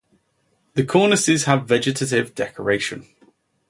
The cornices has vegetative decoration.